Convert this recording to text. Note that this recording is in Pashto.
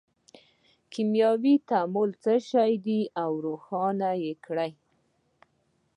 کیمیاوي تعامل څه شی دی او روښانه یې کړئ.